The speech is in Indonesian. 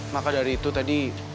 maka dari itu tadi